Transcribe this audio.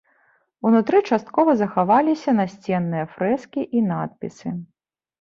Унутры часткова захаваліся насценныя фрэскі і надпісы.